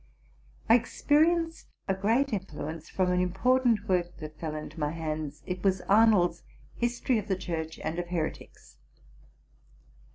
Texperienced a great influence from an important work that fell into my hands: it was Arnold's '+ History of the Church and of Heretics.